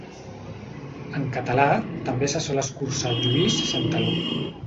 En català, també se sol escurçar a Lluís Santaló.